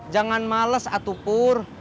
jangan males atupur